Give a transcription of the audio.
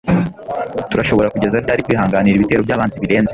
turashobora kugeza ryari kwihanganira ibitero by'abanzi birenze